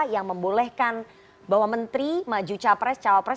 yang membolehkan bahwa menteri maju capres cawapres